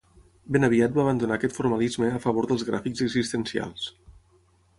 Ben aviat va abandonar aquest formalisme a favor dels gràfics existencials.